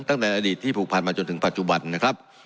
ตั้งแต่อดีตที่ผูกพันมาจนถึงปัจจุบันนะครับ